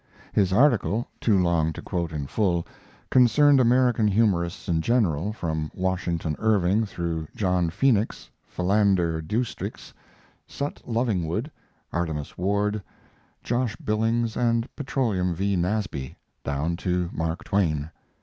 His article too long to quote in full concerned American humorists in general, from Washington Irving, through John Phoenix, Philander Doesticks, Sut Lovingwood, Artemus Ward, Josh Billings and Petroleum V. Nasby, down to Mark Twain.